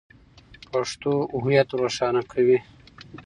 پښتو هویت روښانه کوي.